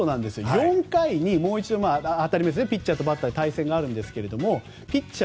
４回にもう一度ピッチャーとバッターで対戦があるんですけどピッチャー